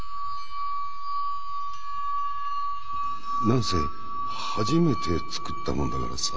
なんせ初めて作ったもんだからさ。